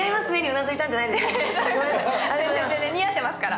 似合ってますから。